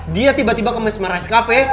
dia tiba tiba kemes marahis cafe